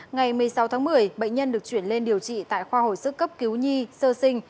ngày một mươi sáu tháng một mươi bệnh nhân được chuyển lên điều trị tại khoa hồi sức cấp cứu nhi sơ sinh